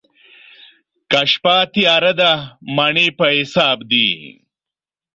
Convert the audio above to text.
که شپه تياره ده، مڼې په حساب دي.